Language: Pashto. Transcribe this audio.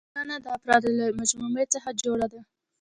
ټولنه د افرادو له مجموعي څخه جوړه ده.